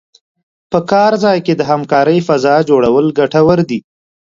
په کار ځای کې د همکارۍ فضا جوړول ګټور دي.